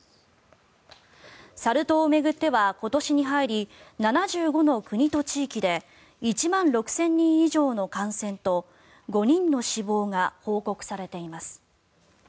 サル痘を巡っては今年に入り７５の国と地域で１万６０００人以上の感染と５人の死亡が報告されています。